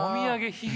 ひげ？